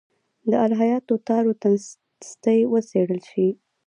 د الهیاتو تار و تنستې وڅېړل شي.